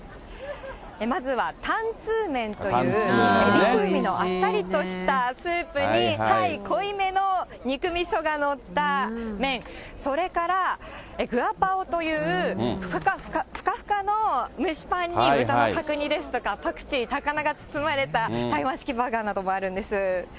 まずはタンツーメンというエビ風味のあっさりとしたスープに、濃いめの肉みそが載った麺、それからグアパオというふかふかの蒸しパンに豚の角煮ですとか、パクチー、高菜が包まれた台湾式バーガーなどもあるんです。